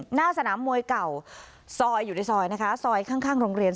หน้าสนามมวยเก่าซอยอยู่ในซอยนะคะซอยข้างโรงเรียน